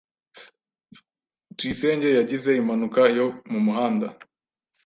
Tuyisenge yagize impanuka yo mu muhanda.